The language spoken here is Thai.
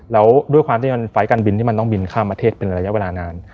แล้วด้วยความที่มันไฟล์การบินที่มันต้องบินข้ามประเทศเป็นระยะเวลานาน